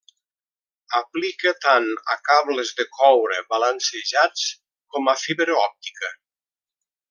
Aplica tant a cables de coure balancejats com a fibra òptica.